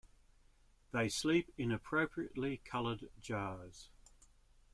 They sleep in appropriately colored jars.